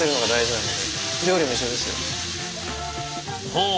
ほう！